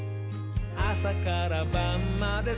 あさからばんまで」